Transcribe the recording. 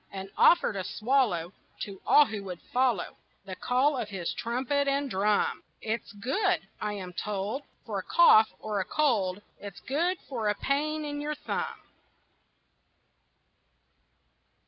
And offered a swallow To all who would follow The call of his trumpet and drum. It's good, I am told, For a cough or a cold; It's good for a pain in your thumb.